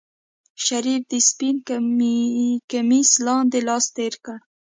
شريف د سپين کميس لاندې لاس تېر کړ.